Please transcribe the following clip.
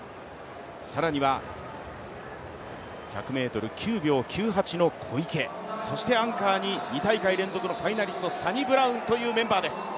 更には、１００ｍ９秒９８の小池そしてアンカーに２大会連続のファイナリストサニブラウンというメンバーです。